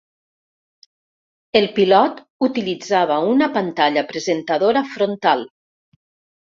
El pilot utilitzava una pantalla presentadora frontal.